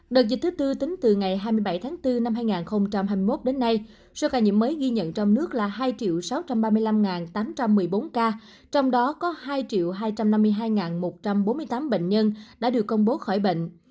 đợt dịch thứ tư tính từ ngày hai mươi bảy tháng bốn năm hai nghìn hai mươi một đến nay số ca nhiễm mới ghi nhận trong nước là hai sáu trăm ba mươi năm tám trăm một mươi bốn ca trong đó có hai hai trăm năm mươi hai một trăm bốn mươi tám bệnh nhân đã được công bố khỏi bệnh